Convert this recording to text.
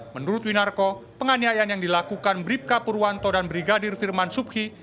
menurut winarko penganiayaan yang dilakukan bribka purwanto dan brigadir firman subhi